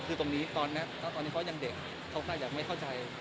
คือตรงนี้ตอนนี้เขายังเด็กเขาก็ยังไม่เข้าใจ